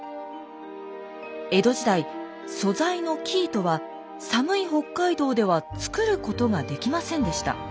江戸時代素材の生糸は寒い北海道では作ることができませんでした。